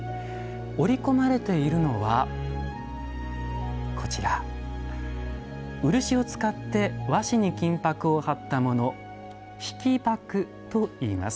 織り込まれているのはこちら漆を使って和紙に金箔を貼ったもの「引箔」といいます。